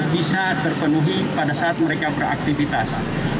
bisa terpenuhi pada saat mereka beraktivitas